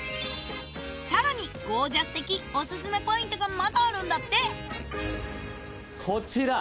さらにゴー☆ジャス的オススメポイントがまだあるんだってこちら！